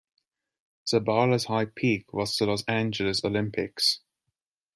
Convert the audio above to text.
Zabala's high peak was the Los Angeles Olympics.